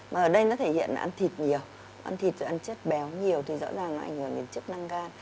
mà ở đây nó thể hiện ăn thịt nhiều ăn thịt rồi ăn chất béo nhiều thì rõ ràng nó ảnh hưởng đến chức năng gan